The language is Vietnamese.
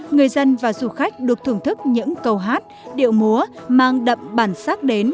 người dân và du khách được thưởng thức những câu hát điệu múa mang đậm bản sắc đến